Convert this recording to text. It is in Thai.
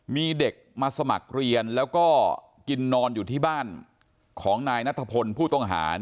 มีเด็กมาสมัครเรียนแล้วก็กินนอนอยู่ที่บ้านของนายนัทพลผู้ต้องหา